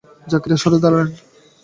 জাকারিয়া সরে দাঁড়ালেন।